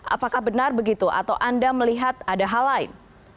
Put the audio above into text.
apakah benar begitu atau anda melihat ada hal lain